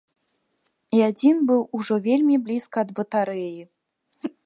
І адзін быў ужо вельмі блізка ад батарэі.